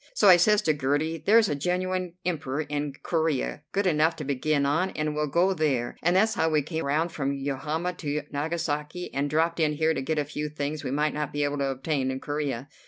So I says to Gertie, 'There's a genuine Emperor in Corea, good enough to begin on, and we'll go there,' and that's how we came round from Yokohama to Nagasaki, and dropped in here to get a few things we might not be able to obtain in Corea.